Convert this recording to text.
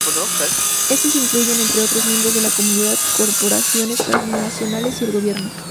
Estos incluyen, entre otros, miembros de la comunidad, corporaciones transnacionales y el gobierno.